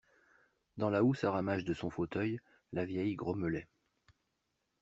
Dans la housse à ramages de son fauteuil, la vieille grommelait.